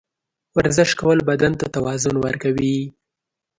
ورزش کول بدن ته توازن ورکوي.